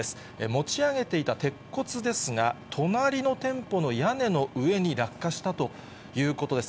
持ち上げていた鉄骨ですが、隣の店舗の屋根の上に落下したということです。